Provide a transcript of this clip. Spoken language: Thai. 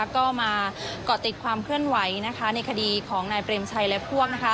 ก็มาเกาะติดความเคลื่อนไหวในคดีของนายเปรมชัยและพวก